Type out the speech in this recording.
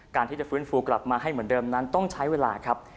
การที่จะฟื้นฟูกลับมาให้เหมือนเดิมนั้นต้องใช้เวลาครับ